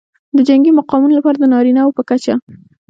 د جنګي مقامونو لپاره د نارینه وو په کچه